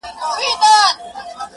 په لوی لاس به ورانوي د ژوندون خونه!